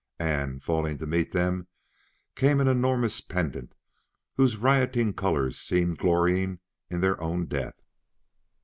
And, falling to meet them, came an enormous pendant whose rioting colors seemed glorying in their own death.